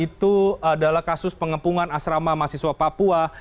itu adalah kasus pengepungan asrama mahasiswa papua